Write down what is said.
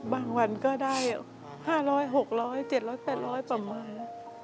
บางวันก็ได้๕๐๐๖๐๐บาท๗๐๐๘๐๐บาทประมาณ